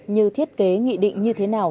như thiết kế nghị định như thế nào